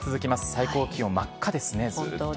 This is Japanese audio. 最高気温、真っ赤ですね。